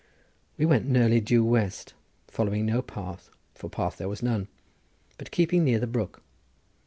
We went nearly due west, following no path, for path there was none, but keeping near the brook.